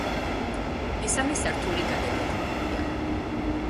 მესამე სართული გადაკეთებულია.